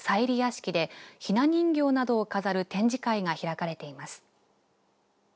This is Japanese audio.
理屋敷で、ひな人形などを飾る展示会が開かれています。